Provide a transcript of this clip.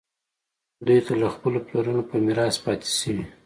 دوی ته له خپلو پلرونو په میراث پاتې شوي.